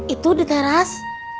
itu di teras